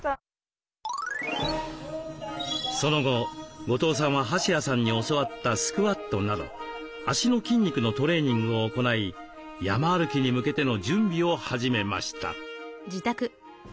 その後後藤さんは橋谷さんに教わったスクワットなど脚の筋肉のトレーニングを行い山歩きに向けての準備を始めました。